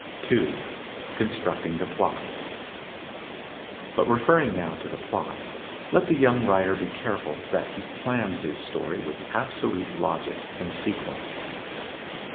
2. Constructing the Plot But referring now to the plot, let the young writer be careful that he plans his story with absolute logic and sequence.